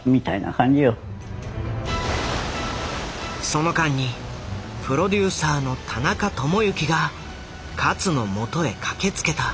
その間にプロデューサーの田中友幸が勝のもとへ駆けつけた。